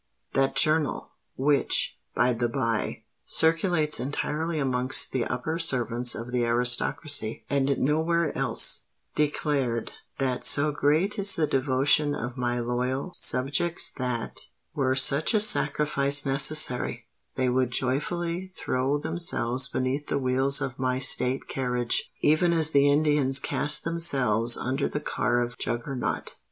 That journal—which, by the bye, circulates entirely amongst the upper servants of the aristocracy, and nowhere else—declared '_that so great is the devotion of my loyal, subjects that, were such a sacrifice necessary, they would joyfully throw themselves beneath the wheels of my state carriage, even as the Indians cast themselves under the car of Juggernaut_.'